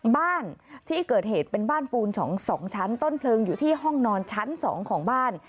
บ้านที่เกิดเหตุเป็นบ้านปูน๒ชั้นต้นเพลิงอยู่ที่ห้องนอนชั้น๒ของบ้าน